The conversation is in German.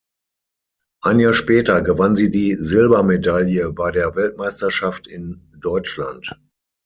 Ein Jahr später gewann sie die Silbermedaille bei der Weltmeisterschaft in Deutschland.